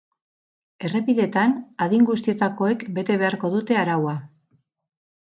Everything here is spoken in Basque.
Errepideetan adin guztietakoek bete beharko dute araua.